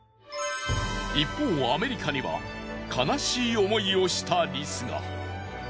一方アメリカには悲しい思いをしたリスが。